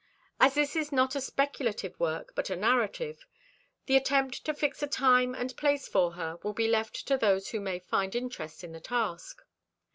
As this is not a speculative work, but a narrative, the attempt to fix a time and place for her will be left to those who may find interest in the task.